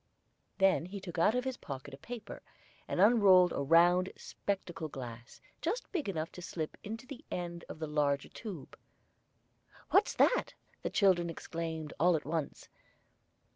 Then he took out of his pocket a paper, and unrolled a round spectacle glass, just big enough to slip into the end of the larger tube. "What's that?" the children exclaimed, all at once.